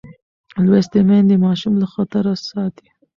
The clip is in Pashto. لوستې میندې ماشوم له خطره ساتي.